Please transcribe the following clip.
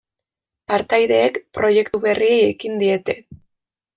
Partaideek proiektu berriei ekin diete.